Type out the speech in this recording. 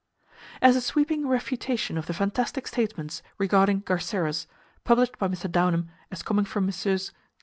As a sweeping refutation of the fantastic statements regarding "garceros," published by Mr. Downham as coming from Messrs.